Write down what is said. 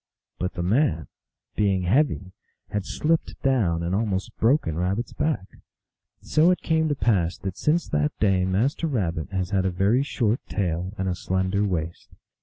But the man, being heavy, had 224 THE ALGONQUIN LEGENDS. slipped down, and almost broken Rabbit s back. So it came to pass tiiat since that day Master Rabbit has had a very short tail and a slender waist.